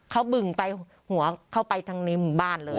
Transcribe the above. เขาบึ่งไปหัวเข้าไปทางในหมู่บ้านเลย